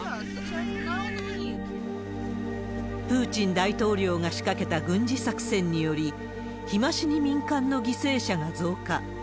プーチン大統領が仕掛けた軍事作戦により、日増しに民間の犠牲者が増加。